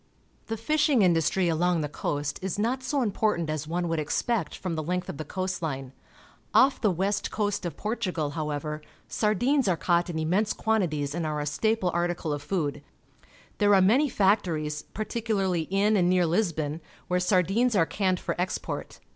The fishing industry along the coast is not so important as one would expect from the length of the coast line. Off the west coast of Portugal, however, sardines are caught in inmiense quantities and are a staple article of food. There are many factories, particu larly in and near Lisbon, where sardines are canned for export.